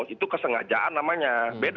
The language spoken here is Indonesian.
itu kesengajaan namanya